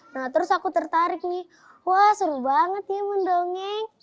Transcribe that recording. nah terus aku tertarik nih wah seru banget nih mendongeng